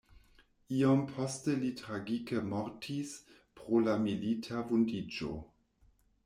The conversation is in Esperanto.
Iom poste li tragike mortis pro la milita vundiĝo.